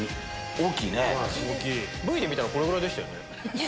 ＶＴＲで見たのこれぐらいでしたよね。